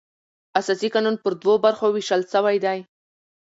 اساسي قانون پر دوو برخو وېشل سوى دئ.